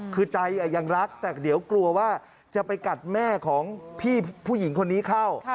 คือใจยังรักแต่เดี๋ยวกลัวว่าจะไปกัดแม่ของพี่ผู้หญิงคนนี้เข้า